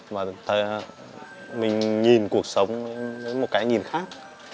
mà mình nhìn cuộc sống với một cái nhìn khác